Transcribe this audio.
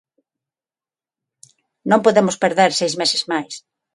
Non podemos perder seis meses máis.